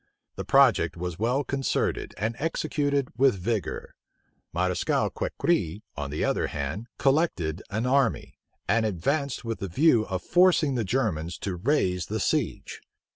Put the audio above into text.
The project was well concerted, and executed with vigor. Mareschal Crequi, on the other hand, collected an army, and advanced with a view of forcing the Germans to raise the siege.